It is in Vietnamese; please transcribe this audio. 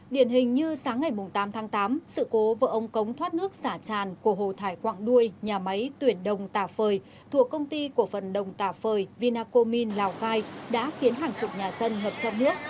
điển hình như sáng ngày tám tháng tám sự cố vợ ông cống thoát nước xả tràn của hồ thải quạng đuôi nhà máy tuyển đồng tà phời thuộc công ty của phần đồng tà phời vinacomin lào cai đã khiến hàng chục nhà dân ngập trong nước